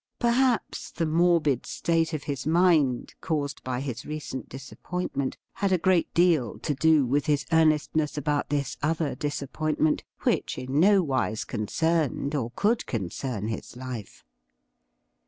Perhaps the morbid state of his mind, caused by his recent disappointment, had a great deal to do with his earnestness about this other disappointment, which in no wise concerned or could concern his life.